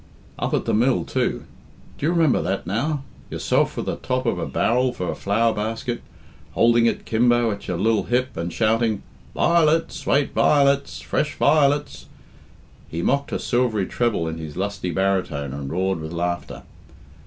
"Up at the mill, too d'ye remember that now? Yourself with the top of a barrel for a flower basket, holding it 'kimbo at your lil hip and shouting, 'Violets! Swate violets! Fresh violets!'" (He mocked her silvery treble in his lusty baritone and roared with laughter.)